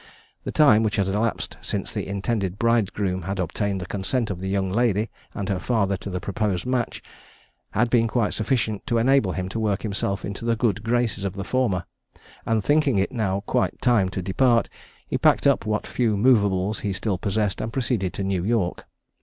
The time which had elapsed since the intended bridegroom had obtained the consent of the young lady and her father to the proposed match, had been quite sufficient to enable him to work himself into the good graces of the former; and thinking it now quite time to depart, he packed up what few moveables he still possessed, and proceeded to New York.